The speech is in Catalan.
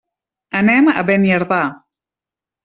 Anem a Beniardà.